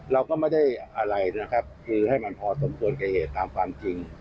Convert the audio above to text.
เราก็ไม่ได้อะไรนะครับคือให้มันพอสมควรกับเหตุตามความจริง